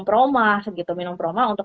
peromah gitu minum peromah untuk